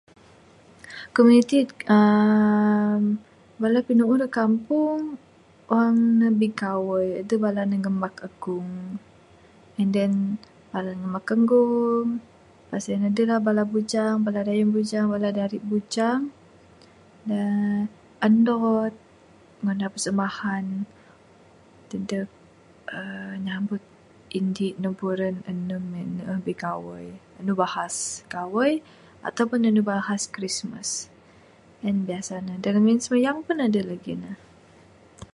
Komuniti uhh Bala pinuuh kampung Wang bala ne bigawai adeh bala ne ngamak agung and then pala ngamak agung. Pas en adeh la Bala dari bujang uhh andot ngunah persembahan uhh dadeg Indi anu buran enem en neeh bigawai anu bahas gawai ato pun anu bahas Christmas en biasa ne. Simayang pun adeh lagih ne